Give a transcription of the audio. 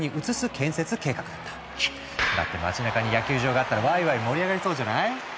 だって街なかに野球場があったらワイワイ盛り上がりそうじゃない？